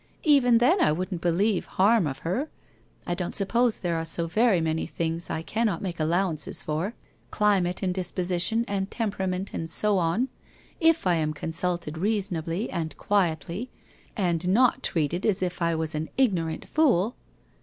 Even then I wouldn't believe harm of her. I don't suppose there are so very many things I cannot make allowances for, climate and disposition and temperament and so on, if I am consulted reasonably and quietly, and not treated as if I was an ignorant fool.'